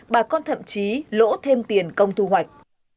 bà con thậm chí lỗ thêm tiền công thu hoạch